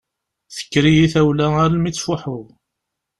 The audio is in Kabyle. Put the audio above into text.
Tekker-iyi tawla almi ttfuḥuɣ.